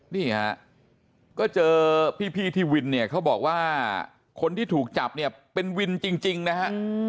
นี่ฮะก็เจอพี่ที่วินเนี่ยเขาบอกว่าคนที่ถูกจับเนี่ยเป็นวินจริงนะฮะ